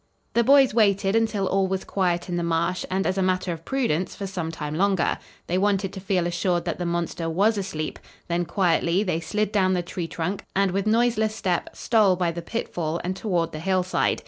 The boys waited until all was quiet in the marsh, and, as a matter of prudence, for some time longer. They wanted to feel assured that the monster was asleep, then, quietly, they slid down the tree trunk and, with noiseless step, stole by the pitfall and toward the hillside.